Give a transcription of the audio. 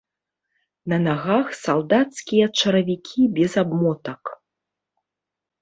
На нагах салдацкія чаравікі без абмотак.